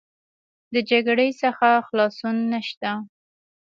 د جګړې څخه خلاصون نشته.